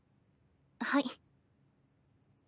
はい。